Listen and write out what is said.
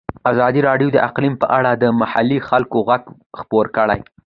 ازادي راډیو د اقلیم په اړه د محلي خلکو غږ خپور کړی.